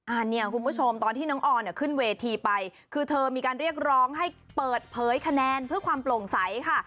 อันนี้คุณผู้ชมตอนที่น้องออนเนี่ยขึ้นเวทีไปคือเธอมีการเรียกร้องให้เปิดเผยคะแนนเพื่อความโปร่งใสค่ะ